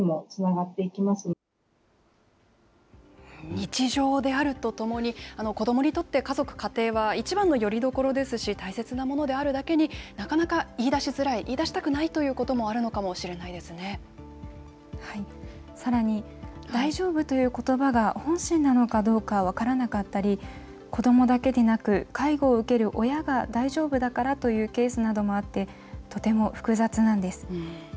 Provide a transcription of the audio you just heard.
日常であるとともに、子どもにとって、家族、家庭は一番のよりどころですし、大切なものであるだけに、なかなか、言い出しづらい、言い出したくないということもあるのかもしさらに、大丈夫ということばが、本心なのかどうか分からなかったり、子どもだけでなく、介護を受ける親が大丈夫だからというケースなどもあって、とても複雑なんです。